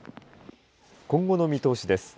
今後の見通しです。